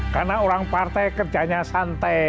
karena orang partai kerjanya santai